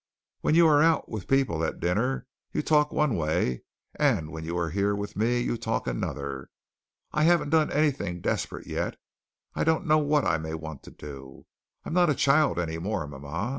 When you are out with people at dinner, you talk one way, and when you are here with me, you talk another. I haven't done anything desperate yet. I don't know what I may want to do. I'm not a child any more, mama.